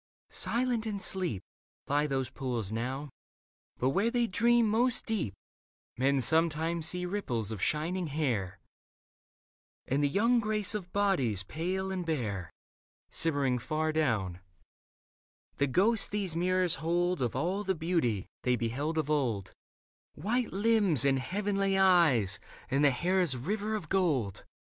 Silent and asleep Lie those pools now : but where they dream most deep, Men sometimes see ripples of shining hair And the young grace of bodies pale and bare, Shimmering far down — the ghosts these mirrors hold Of all the beauty they beheld of old, White limbs and heavenly eyes and the hair's river of gold.